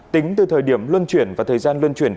tính từ thời điểm luân chuyển và thời gian luân chuyển